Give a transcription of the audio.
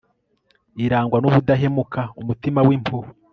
irangwa n'ubudahemuka, umutima w'impuhwe